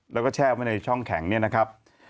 แล้วก็แช่ไว้ในช่องแข็งเนี่ยนะครับ